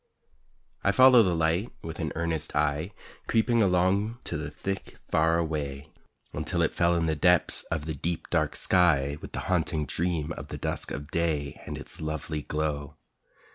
I follow the light with an earnest eye, Creeping along to the thick far away, Until it fell in the depths of the deep, dark sky With the haunting dream of the dusk of day And its lovely glow.